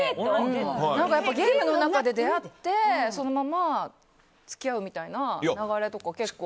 ゲームの中で出会ってそのまま付き合うみたいな流れとか結構。